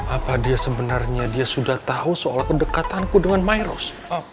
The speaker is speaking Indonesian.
apa dia sebenernya dia sudah tau soal kedekatanku dengan myros